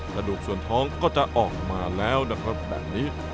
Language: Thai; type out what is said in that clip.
กระดูกส่วนท้องก็จะออกมาแล้วนะครับแบบนี้